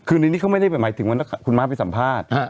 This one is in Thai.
คือในนี้เขาไม่ได้หมายถึงว่าคุณม้าไปสัมภาษณ์